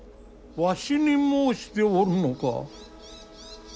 わしに申しておるのか。